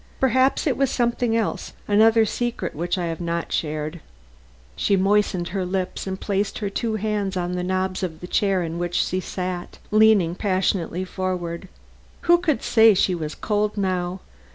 Perhaps it was something else another secret which I have not shared." She moistened her lips and, placing her two hands on the knobs of the chair in which she sat, leaned passionately forward. Who could say she was cold now?